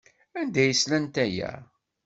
Anda ay slant aya?